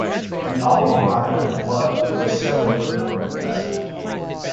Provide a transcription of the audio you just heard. An album "African Blood" was scheduled but never released.